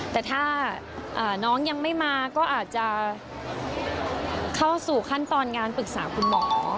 แต่ถ้าน้องยังไม่มาก็อาจจะเข้าสู่ขั้นตอนงานปรึกษาคุณหมอ